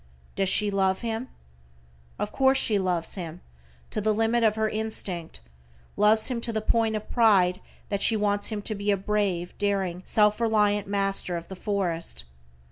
Does she love him? Of course she loves him to the limit of her instinct, loves him to the point of pride that she wants him to be a brave, daring, self reliant master of the forest.